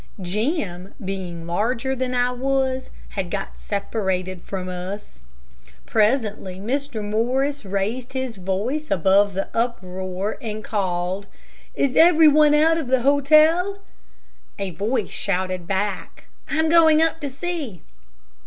Jim, being larger than I was, had got separated from us. Presently Mr. Morris raised his voice above the uproar, and called, "Is every one out of the hotel?" A voice shouted back, "I'm going up to see."